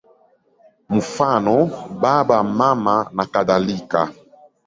Mfano: Baba, Mama nakadhalika.